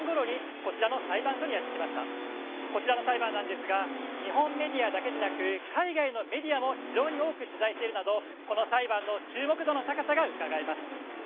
こちらの裁判なんですが日本メディアだけでなく海外のメディアも非常に多く取材しているなどこの裁判の注目度の高さがうかがえます。